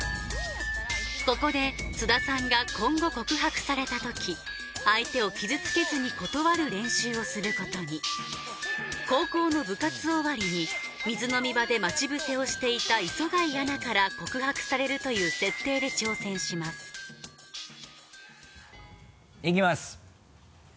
ここで津田さんが今後告白されたとき相手を傷つけずに断る練習をすることに高校の部活終わりに水飲み場で待ち伏せをしていた磯貝アナから告白されるという設定で挑戦しますいきます。